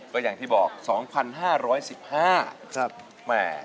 ก็อย่างที่บอก๒๕๑๕ครับ